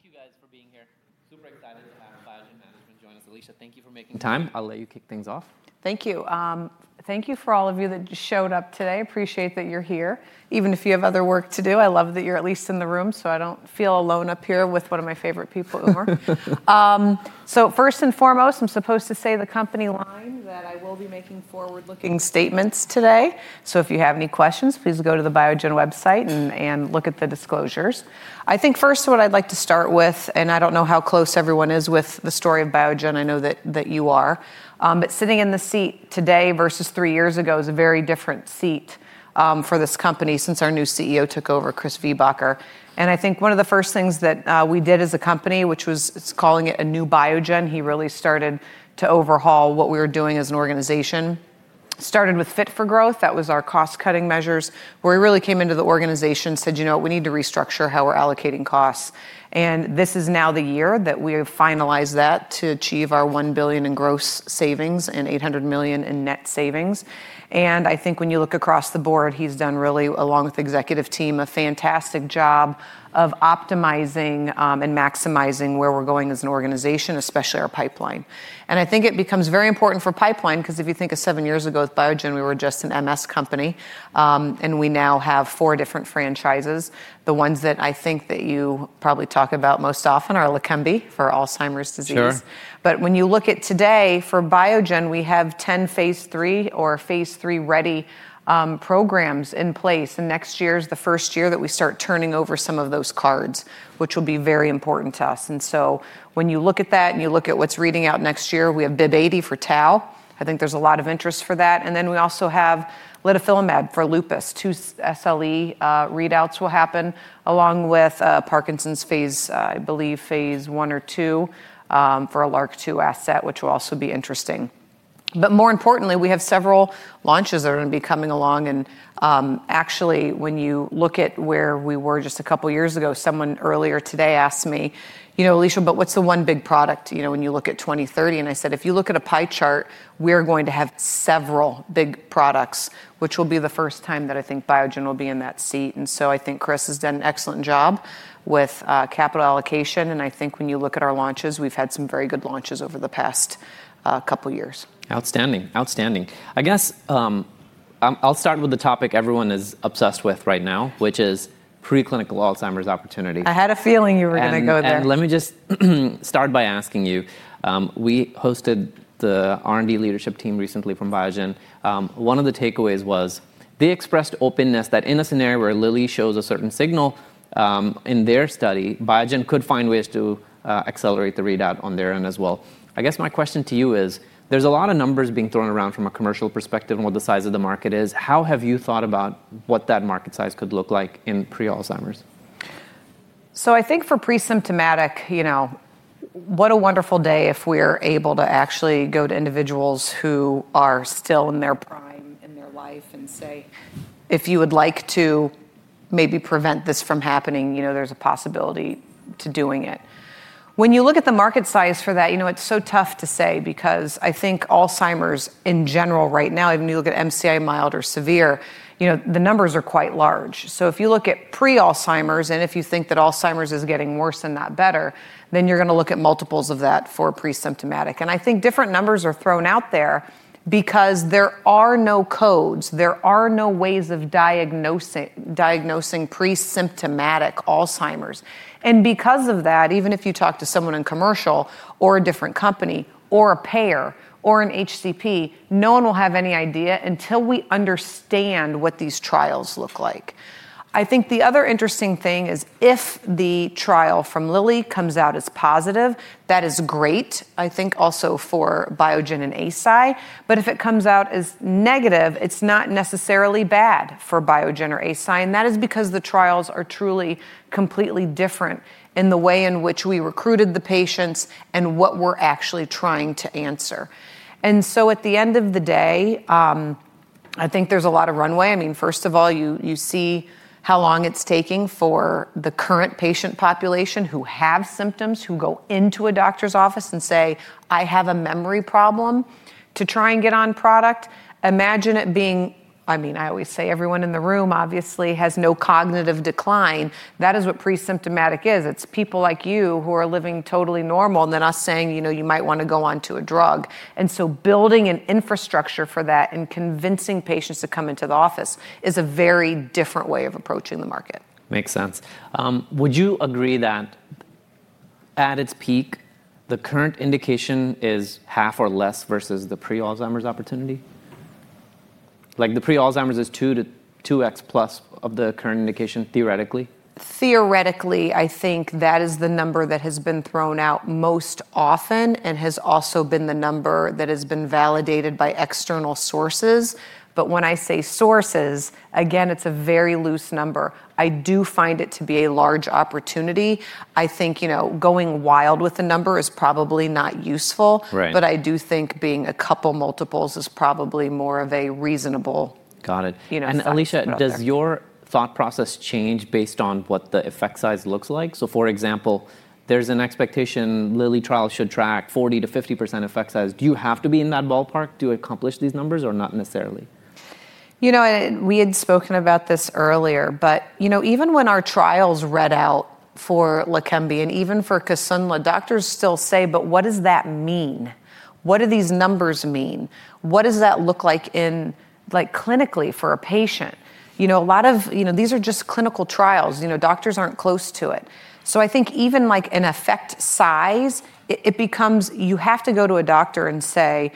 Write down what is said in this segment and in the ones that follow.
Thank you guys for being here. Super excited to have Biogen management join us. Alisha, thank you for making time. I'll let you kick things off. Thank you. Thank you for all of you that just showed up today. Appreciate that you're here, even if you have other work to do. I love that you're at least in the room, so I don't feel alone up here with one of my favorite people, Umar. So first and foremost, I'm supposed to say the company line that I will be making forward-looking statements today. So if you have any questions, please go to the Biogen website and look at the disclosures. I think first, what I'd like to start with, and I don't know how close everyone is with the story of Biogen, I know that you are, but sitting in the seat today versus three years ago is a very different seat for this company since our new CEO took over, Chris Viehbacher. And I think one of the first things that we did as a company, which was calling it a new Biogen, he really started to overhaul what we were doing as an organization. Started with Fit for Growth, that was our cost-cutting measures. We really came into the organization and said, you know what, we need to restructure how we're allocating costs. And this is now the year that we have finalized that to achieve our $1 billion in gross savings and $800 million in net savings. And I think when you look across the board, he's done really, along with the executive team, a fantastic job of optimizing and maximizing where we're going as an organization, especially our pipeline. I think it becomes very important for pipeline because if you think of seven years ago with Biogen, we were just an MS company, and we now have four different franchises. The ones that I think that you probably talk about most often are LEQEMBI for Alzheimer's disease. But when you look at today, for Biogen, we have 10 phase III or phase III-ready programs in place. Next year is the first year that we start turning over some of those cards, which will be very important to us. When you look at that and you look at what's reading out next year, we have BIIB080 for tau. I think there's a lot of interest for that. We also have litifilimab for lupus. Two SLE readouts will happen along with Parkinson's phase, I believe phase I or II for a LRRK2 asset, which will also be interesting. But more importantly, we have several launches that are going to be coming along. Actually, when you look at where we were just a couple of years ago, someone earlier today asked me, you know, Alisha, but what's the one big product when you look at 2030? And I said, if you look at a pie chart, we're going to have several big products, which will be the first time that I think Biogen will be in that seat. So I think Chris has done an excellent job with capital allocation. And I think when you look at our launches, we've had some very good launches over the past couple of years. Outstanding. Outstanding. I guess I'll start with the topic everyone is obsessed with right now, which is preclinical Alzheimer's opportunity. I had a feeling you were going to go there. Let me just start by asking you, we hosted the R&D leadership team recently from Biogen. One of the takeaways was they expressed openness that in a scenario where Lilly shows a certain signal in their study, Biogen could find ways to accelerate the readout on their end as well. I guess my question to you is, there's a lot of numbers being thrown around from a commercial perspective and what the size of the market is. How have you thought about what that market size could look like in pre-Alzheimer's? So I think for pre-symptomatic, you know, what a wonderful day if we're able to actually go to individuals who are still in their prime in their life and say, if you would like to maybe prevent this from happening, you know, there's a possibility to doing it. When you look at the market size for that, you know, it's so tough to say because I think Alzheimer's in general right now, even when you look at MCI, mild or severe, you know, the numbers are quite large. So if you look at pre-Alzheimer's and if you think that Alzheimer's is getting worse and not better, then you're going to look at multiples of that for pre-symptomatic. And I think different numbers are thrown out there because there are no codes, there are no ways of diagnosing pre-symptomatic Alzheimer's. And because of that, even if you talk to someone in commercial or a different company or a payer or an HCP, no one will have any idea until we understand what these trials look like. I think the other interesting thing is if the trial from Lilly comes out as positive, that is great. I think also for Biogen and Eisai. But if it comes out as negative, it's not necessarily bad for Biogen or Eisai. And that is because the trials are truly completely different in the way in which we recruited the patients and what we're actually trying to answer. And so at the end of the day, I think there's a lot of runway. I mean, first of all, you see how long it's taking for the current patient population who have symptoms who go into a doctor's office and say, I have a memory problem, to try and get on product. Imagine it being, I mean, I always say everyone in the room obviously has no cognitive decline. That is what pre-symptomatic is. It's people like you who are living totally normal and then us saying, you know, you might want to go on to a drug. And so building an infrastructure for that and convincing patients to come into the office is a very different way of approaching the market. Makes sense. Would you agree that at its peak, the current indication is half or less versus the pre-Alzheimer's opportunity? Like the pre-Alzheimer's is 2x plus of the current indication theoretically? Theoretically, I think that is the number that has been thrown out most often and has also been the number that has been validated by external sources. But when I say sources, again, it's a very loose number. I do find it to be a large opportunity. I think, you know, going wild with the number is probably not useful. But I do think being a couple multiples is probably more of a reasonable. Got it. And Alisha, does your thought process change based on what the effect size looks like? So for example, there's an expectation Lilly trial should track 40%-50% effect size. Do you have to be in that ballpark to accomplish these numbers or not necessarily? You know, we had spoken about this earlier, but you know, even when our trials read out for LEQEMBI and even for Kisunla, doctors still say, but what does that mean? What do these numbers mean? What does that look like in like clinically for a patient? You know, a lot of, you know, these are just clinical trials. You know, doctors aren't close to it. So I think even like an effect size, it becomes you have to go to a doctor and say,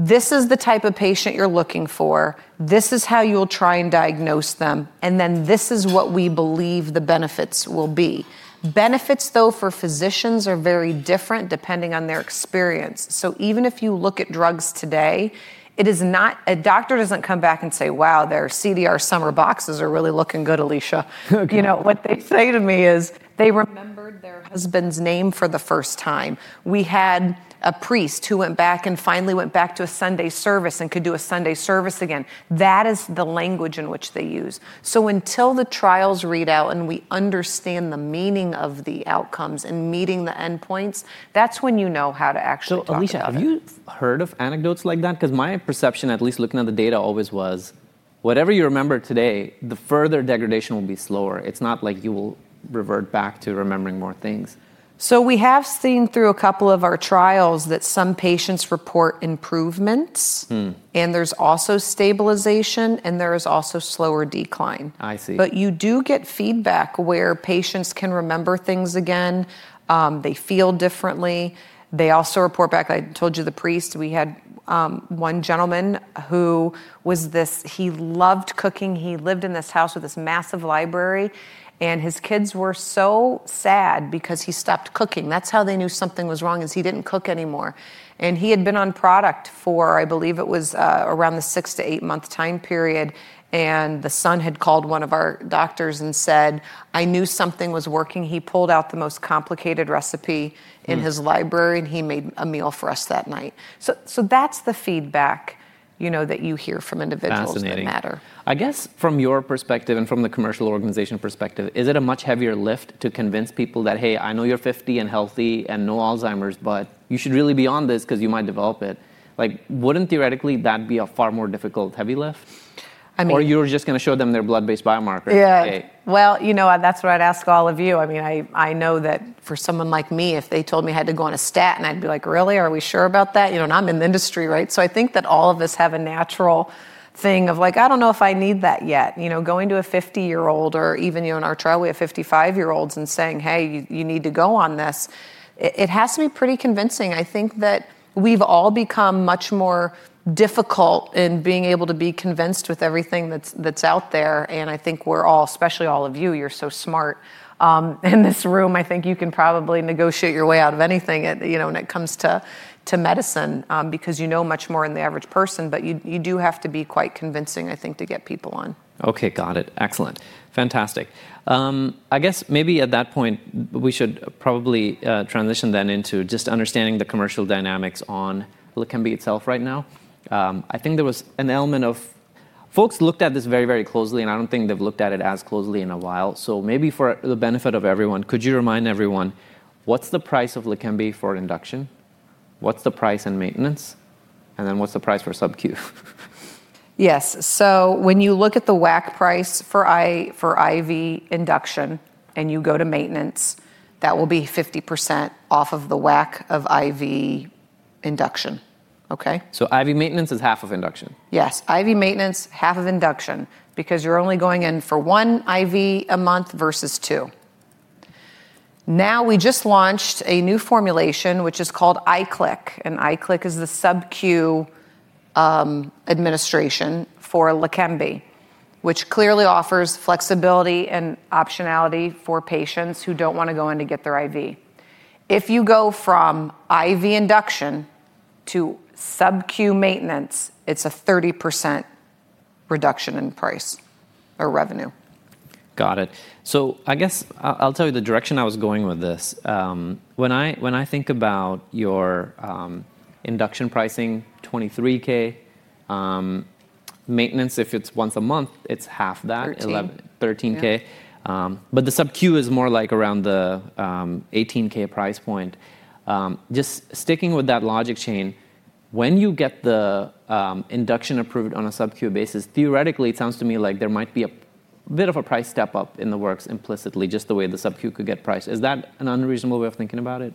this is the type of patient you're looking for. This is how you'll try and diagnose them, and then this is what we believe the benefits will be. Benefits, though, for physicians are very different depending on their experience. So even if you look at drugs today, it is not a doctor doesn't come back and say, wow, their CDR Sum of Boxes are really looking good, Alisha. You know, what they say to me is they remembered their husband's name for the first time. We had a priest who went back and finally went back to a Sunday service and could do a Sunday service again. That is the language in which they use. So until the trials read out and we understand the meaning of the outcomes and meeting the endpoints, that's when you know how to actually do it. So Alisha, have you heard of anecdotes like that? Because my perception, at least looking at the data, always was whatever you remember today, the further degradation will be slower. It's not like you will revert back to remembering more things. We have seen through a couple of our trials that some patients report improvements. There's also stabilization and there is also slower decline. I see. But you do get feedback where patients can remember things again. They feel differently. They also report back. I told you the priest, we had one gentleman who was this, he loved cooking. He lived in this house with this massive library. And his kids were so sad because he stopped cooking. That's how they knew something was wrong is he didn't cook anymore. And he had been on product for, I believe it was around the six- to eight-month time period. And the son had called one of our doctors and said, I knew something was working. He pulled out the most complicated recipe in his library and he made a meal for us that night. So that's the feedback, you know, that you hear from individuals that matter. Fascinating. I guess from your perspective and from the commercial organization perspective, is it a much heavier lift to convince people that, hey, I know you're 50 and healthy and no Alzheimer's, but you should really be on this because you might develop it. Like, wouldn't theoretically that be a far more difficult heavy lift? Or you're just going to show them their blood-based biomarker? Yeah. Well, you know, that's what I'd ask all of you. I mean, I know that for someone like me, if they told me I had to go on a statin, I'd be like, really? Are we sure about that? You know, and I'm in the industry, right? So I think that all of us have a natural thing of like, I don't know if I need that yet. You know, going to a 50-year-old or even, you know, in our trial, we have 55-year-olds and saying, hey, you need to go on this. It has to be pretty convincing. I think that we've all become much more difficult in being able to be convinced with everything that's out there. And I think we're all, especially all of you, you're so smart in this room. I think you can probably negotiate your way out of anything when it comes to medicine because you know much more than the average person, but you do have to be quite convincing, I think, to get people on. Okay, got it. Excellent. Fantastic. I guess maybe at that point, we should probably transition then into just understanding the commercial dynamics on LEQEMBI itself right now. I think there was an element of folks looked at this very, very closely, and I don't think they've looked at it as closely in a while. So maybe for the benefit of everyone, could you remind everyone, what's the price of LEQEMBI for induction? What's the price and maintenance? And then what's the price for subQ? Yes. So when you look at the WAC price for IV induction and you go to maintenance, that will be 50% off of the WAC of IV induction. Okay? IV maintenance is half of induction. Yes. IV maintenance, half of induction because you're only going in for one IV a month versus two. Now we just launched a new formulation, which is called IQLIK. And IQLIK is the subQ administration for LEQEMBI, which clearly offers flexibility and optionality for patients who don't want to go in to get their IV. If you go from IV induction to subQ maintenance, it's a 30% reduction in price or revenue. Got it. So I guess I'll tell you the direction I was going with this. When I think about your induction pricing, $23,000, maintenance, if it's once a month, it's half that, $13,000. But the subQ is more like around the $18,000 price point. Just sticking with that logic chain, when you get the induction approved on a subQ basis, theoretically, it sounds to me like there might be a bit of a price step up in the works implicitly, just the way the subQ could get priced. Is that an unreasonable way of thinking about it?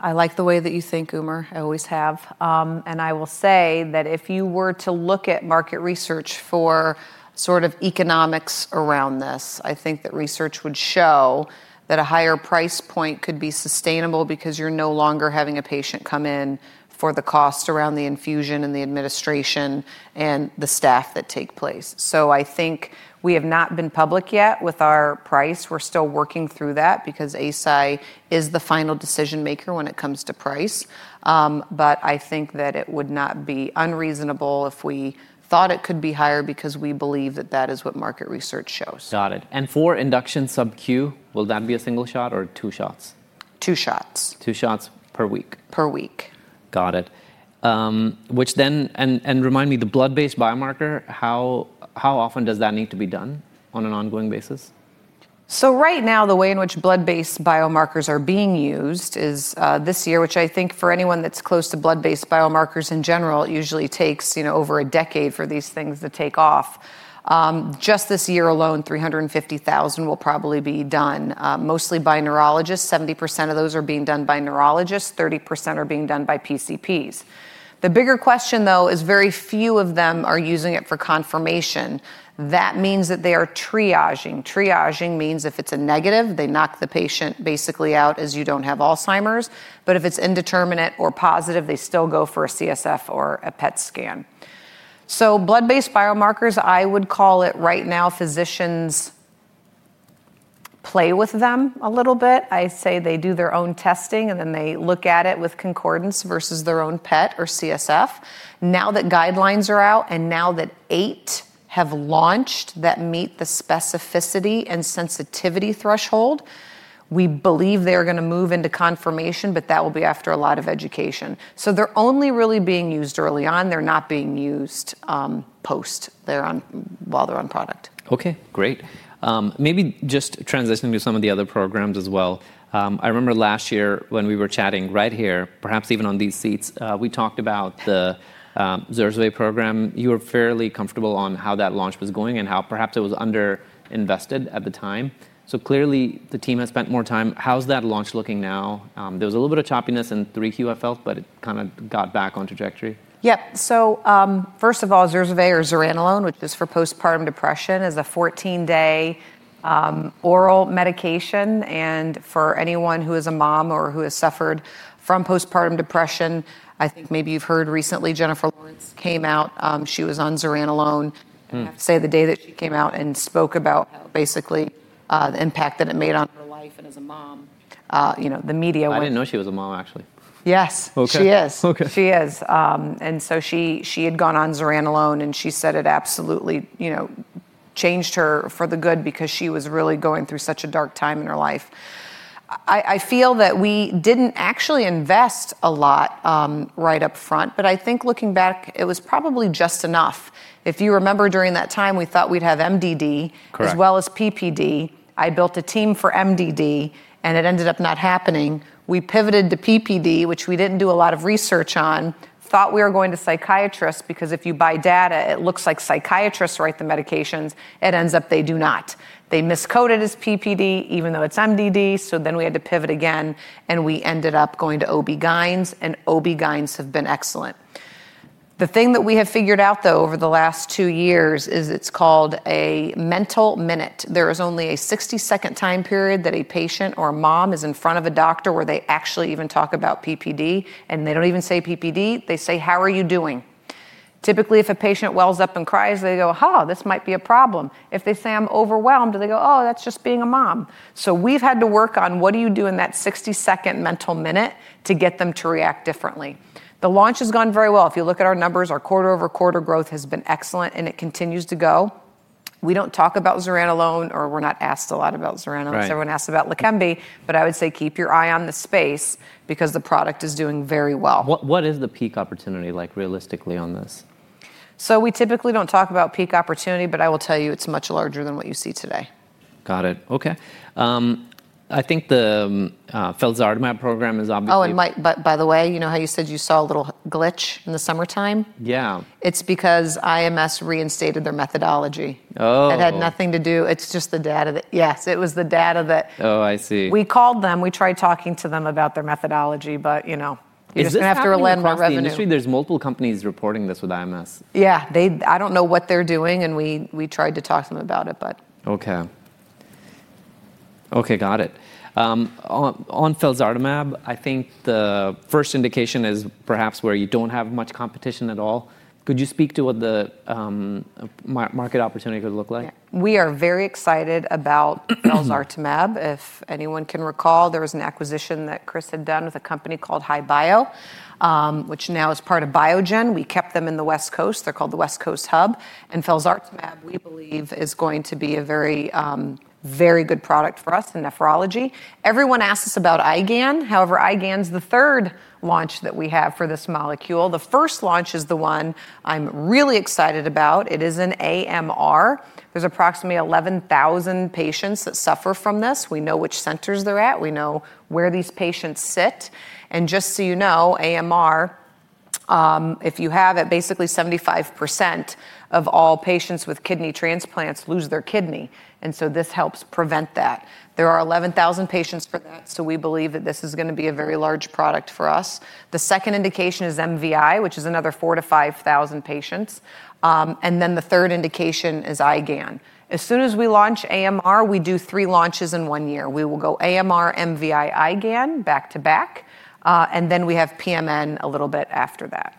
I like the way that you think, Umar. I always have, and I will say that if you were to look at market research for sort of economics around this, I think that research would show that a higher price point could be sustainable because you're no longer having a patient come in for the cost around the infusion and the administration and the staff that take place, so I think we have not been public yet with our price. We're still working through that because Eisai is the final decision maker when it comes to price, but I think that it would not be unreasonable if we thought it could be higher because we believe that that is what market research shows. Got it. And for induction SubQ, will that be a single shot or two shots? Two shots. Two shots per week? Per week. Got it. Which then, and remind me, the blood-based biomarker, how often does that need to be done on an ongoing basis? So right now, the way in which blood-based biomarkers are being used is this year, which I think for anyone that's close to blood-based biomarkers in general, it usually takes, you know, over a decade for these things to take off. Just this year alone, 350,000 will probably be done, mostly by neurologists. 70% of those are being done by neurologists. 30% are being done by PCPs. The bigger question though is very few of them are using it for confirmation. That means that they are triaging. Triaging means if it's a negative, they knock the patient basically out as you don't have Alzheimer's. But if it's indeterminate or positive, they still go for a CSF or a PET scan. So blood-based biomarkers, I would call it right now, physicians play with them a little bit. I say they do their own testing and then they look at it with concordance versus their own PET or CSF. Now that guidelines are out and now that eight have launched that meet the specificity and sensitivity threshold, we believe they're going to move into confirmation, but that will be after a lot of education. So they're only really being used early on. They're not being used post while they're on product. Okay, great. Maybe just transitioning to some of the other programs as well. I remember last year when we were chatting right here, perhaps even on these seats, we talked about the ZURZUVAE program. You were fairly comfortable on how that launch was going and how perhaps it was under-invested at the time. So clearly the team has spent more time. How's that launch looking now? There was a little bit of choppiness in 3Q, I felt, but it kind of got back on trajectory. Yep. So first of all, ZURZUVAE or Zuranolone, which is for postpartum depression, is a 14-day oral medication. And for anyone who is a mom or who has suffered from postpartum depression, I think maybe you've heard recently Jennifer Lawrence came out. She was on Zuranolone. I have to say the day that she came out and spoke about basically the impact that it made on her life and as a mom, you know, the media would. I didn't know she was a mom actually. Yes. She is. She is. And so she had gone on zuranolone and she said it absolutely, you know, changed her for the good because she was really going through such a dark time in her life. I feel that we didn't actually invest a lot right up front, but I think looking back, it was probably just enough. If you remember during that time, we thought we'd have MDD as well as PPD. I built a team for MDD and it ended up not happening. We pivoted to PPD, which we didn't do a lot of research on. Thought we were going to psychiatrists because if you buy data, it looks like psychiatrists write the medications. It ends up they do not. They miscoded as PPD even though it's MDD. So then we had to pivot again and we ended up going to OB-GYNs and OB-GYNs have been excellent. The thing that we have figured out though over the last two years is it's called a mental minute. There is only a 60-second time period that a patient or a mom is in front of a doctor where they actually even talk about PPD and they don't even say PPD. They say, "How are you doing?" Typically, if a patient wells up and cries, they go, "ha, this might be a problem." If they say "I'm overwhelmed," they go, "oh, that's just being a mom." So we've had to work on what do you do in that 60-second mental minute to get them to react differently. The launch has gone very well. If you look at our numbers, our quarter-over-quarter growth has been excellent and it continues to go. We don't talk about Zuranolone or we're not asked a lot about Zuranolone. Everyone asks about LEQEMBI, but I would say keep your eye on the space because the product is doing very well. What is the peak opportunity like realistically on this? So we typically don't talk about peak opportunity, but I will tell you it's much larger than what you see today. Got it. Okay. I think the Felzartamab program is obviously. Oh, it might, but by the way, you know how you said you saw a little glitch in the summertime? Yeah. It's because IMS reinstated their methodology. That had nothing to do. It's just the data that. Yes, it was the data that. Oh, I see. We called them, we tried talking to them about their methodology, but you know, you're just going to have to rely on more revenue. There's multiple companies reporting this with IMS. Yeah. I don't know what they're doing and we tried to talk to them about it, but. Okay. Okay, got it. On Felzartamab, I think the first indication is perhaps where you don't have much competition at all. Could you speak to what the market opportunity could look like? We are very excited about Felzartamab. If anyone can recall, there was an acquisition that Chris had done with a company called HiBio, which now is part of Biogen. We kept them in the West Coast. They're called the West Coast Hub. And Felzartamab, we believe, is going to be a very, very good product for us in nephrology. Everyone asks us about IgAN. However, IgAN is the third launch that we have for this molecule. The first launch is the one I'm really excited about. It is an AMR. There's approximately 11,000 patients that suffer from this. We know which centers they're at. We know where these patients sit. And just so you know, AMR, if you have it, basically 75% of all patients with kidney transplants lose their kidney. And so this helps prevent that. There are 11,000 patients for that. We believe that this is going to be a very large product for us. The second indication is MVI, which is another 4,000-5,000 patients. Then the third indication is IgAN. As soon as we launch AMR, we do three launches in one year. We will go AMR, MVI, IgAN back to back. Then we have PMN a little bit after that.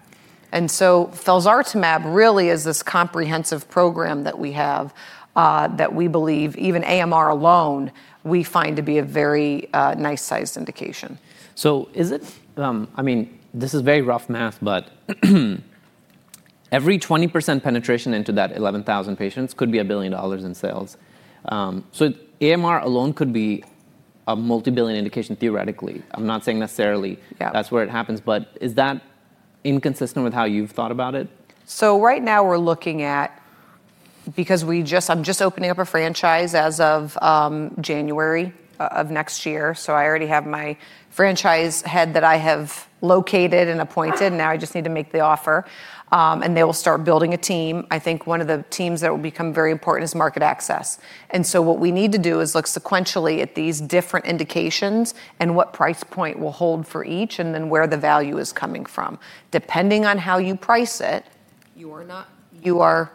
Felzartamab really is this comprehensive program that we have that we believe even AMR alone, we find to be a very nice sized indication. So, is it, I mean, this is very rough math, but every 20% penetration into that 11,000 patients could be $1 billion in sales. So AMR alone could be a multi-billion indication theoretically. I'm not saying necessarily that's where it happens, but is that inconsistent with how you've thought about it? So, right now we're looking at, because I'm just opening up a franchise as of January of next year. So I already have my franchise head that I have located and appointed. Now I just need to make the offer. And they will start building a team. I think one of the teams that will become very important is market access. And so what we need to do is look sequentially at these different indications and what price point will hold for each and then where the value is coming from. Depending on how you price it, you are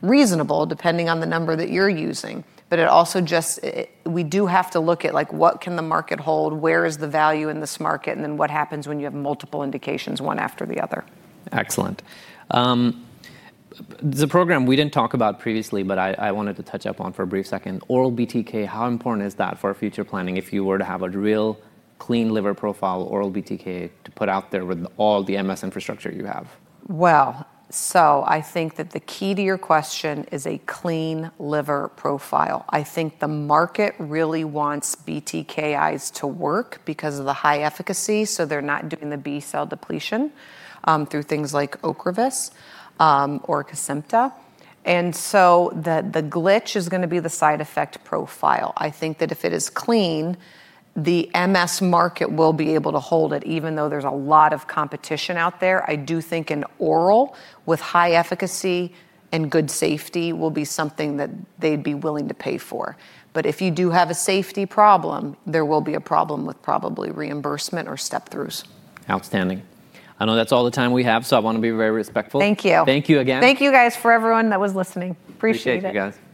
reasonable depending on the number that you're using. But it also just, we do have to look at like what can the market hold, where is the value in this market, and then what happens when you have multiple indications one after the other. Excellent. The program we didn't talk about previously, but I wanted to touch up on for a brief second. Oral BTK, how important is that for future planning if you were to have a real clean liver profile oral BTK to put out there with all the MS infrastructure you have? I think that the key to your question is a clean liver profile. I think the market really wants BTKIs to work because of the high efficacy, so they're not doing the B-cell depletion through things like Ocrevus or Kesimpta, and so the glitch is going to be the side effect profile. I think that if it is clean, the MS market will be able to hold it even though there's a lot of competition out there. I do think an oral with high efficacy and good safety will be something that they'd be willing to pay for, but if you do have a safety problem, there will be a problem with probably reimbursement or step-throughs. Outstanding. I know that's all the time we have, so I want to be very respectful. Thank you. Thank you again. Thank you guys for everyone that was listening. Appreciate it. Thank you guys.